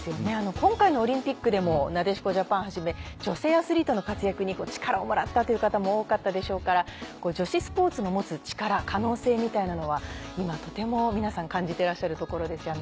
今回のオリンピックでもなでしこジャパンはじめ女性アスリートの活躍に力をもらったという方も多かったでしょうから女子スポーツの持つ力可能性みたいなのは今とても皆さん感じてらっしゃるところですよね。